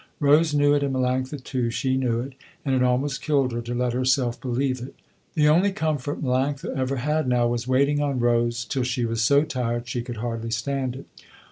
Rose knew it, and Melanctha too, she knew it, and it almost killed her to let herself believe it. The only comfort Melanctha ever had now was waiting on Rose till she was so tired she could hardly stand it.